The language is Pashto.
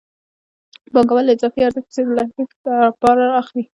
پانګوال له اضافي ارزښت پیسې د لګښت لپاره اخلي